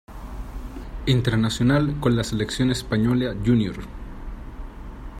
Internacional con la selección española Júnior.